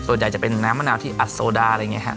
ตัวใหญ่จะเป็นน้ำมะนาวที่อัดโซดาอะไรอย่างเงี้ยฮะ